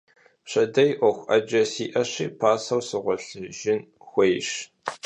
Pşedêy 'uexu 'ece si'eşi paseu sığuelhıjjın xuêyş.